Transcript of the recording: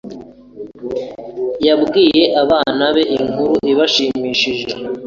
Yabwiye abana be inkuru ishimishije.